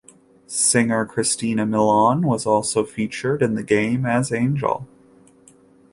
Singer Christina Milian was also featured in the game as Angel.